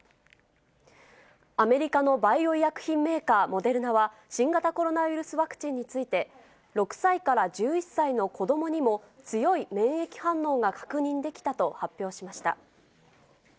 アメリカのバイオ医薬品メーカー、モデルナは、新型コロナウイルスワクチンについて、６歳から１１歳の子どもにも、強い免疫反応が確認できたと発表しました。